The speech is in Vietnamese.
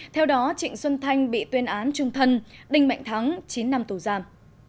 theo đó trịnh xuân thanh bị tuyên án trung thân đinh mạnh thắng chín năm tù giam